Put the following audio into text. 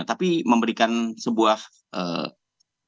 tapi memberikan sebuah hasil yang menurut saya ya yang sangat positif